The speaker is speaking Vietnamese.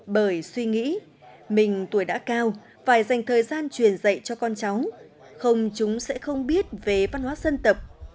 bởi suy nghĩ mình tuổi đã cao phải dành thời gian truyền dạy cho con cháu không chúng sẽ không biết về văn hóa dân tộc